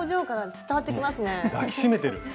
抱き締めてる。